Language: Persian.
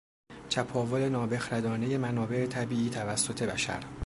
چپاول نابخردانهی منابع طبیعی توسط بشر